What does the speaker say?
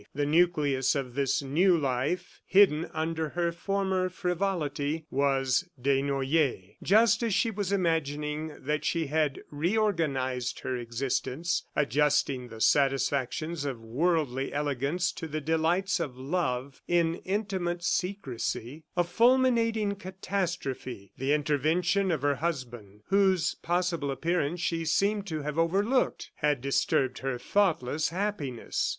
The nucleus of this new life, hidden under her former frivolity, was Desnoyers. Just as she was imagining that she had reorganized her existence adjusting the satisfactions of worldly elegance to the delights of love in intimate secrecy a fulminating catastrophe (the intervention of her husband whose possible appearance she seemed to have overlooked) had disturbed her thoughtless happiness.